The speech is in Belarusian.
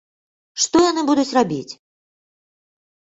Што яны будуць рабіць?